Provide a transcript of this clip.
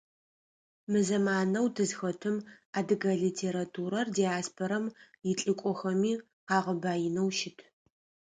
Мы зэманэу тызхэтым адыгэ литературэр диаспорэм илӏыкӏохэми къагъэбаинэу щыт.